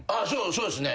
そうですね。